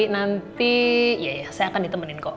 nanti ya saya akan ditemenin kok